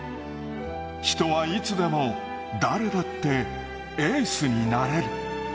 人はいつでも誰だってエースになれる！